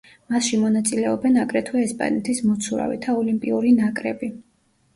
მასში მონაწილეობენ, აგრეთვე, ესპანეთის მოცურავეთა ოლიმპიური ნაკრები.